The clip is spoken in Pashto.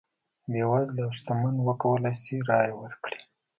بېوزله او شتمن وکولای شي رایه ورکړي.